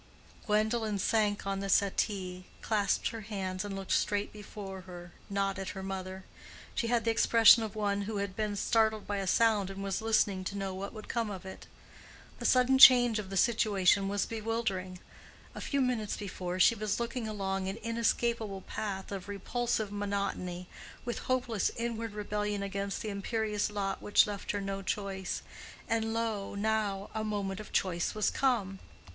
Gwendolen sank on the settee, clasped her hands, and looked straight before her, not at her mother. She had the expression of one who had been startled by a sound and was listening to know what would come of it. The sudden change of the situation was bewildering. A few minutes before she was looking along an inescapable path of repulsive monotony, with hopeless inward rebellion against the imperious lot which left her no choice: and lo, now, a moment of choice was come.